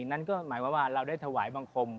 นั่นก็หมายความว่าเราได้ถวายบังคม